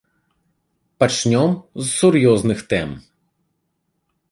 Пачнём з сур'ёзных тэм.